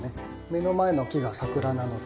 目の前の木が桜なので。